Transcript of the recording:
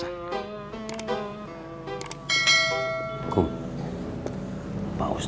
dan juga mengerti banyak bahasa